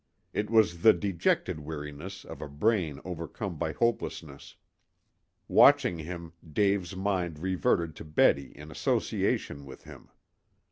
It was the dejected weariness of a brain overcome by hopelessness. Watching him, Dave's mind reverted to Betty in association with him.